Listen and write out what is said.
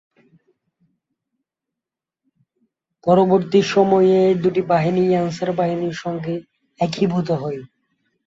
পরবর্তী সময়ে এ দুটি বাহিনীই আনসার বাহিনীর সঙ্গে একীভূত হয়।